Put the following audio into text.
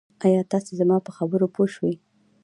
آیا تاسي زما په خبرو پوه شوي